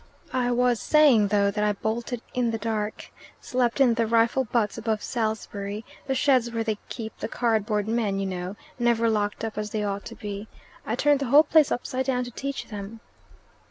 I was saying, though, that I bolted in the dark, slept in the rifle butts above Salisbury, the sheds where they keep the cardboard men, you know, never locked up as they ought to be. I turned the whole place upside down to teach them."